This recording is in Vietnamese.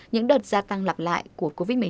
những đợt gia tăng lặp lại của covid một mươi chín